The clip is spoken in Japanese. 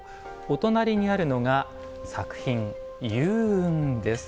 お隣にあるのが作品「湧雲」です。